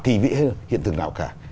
kỳ vĩ hay hiện thực nào cả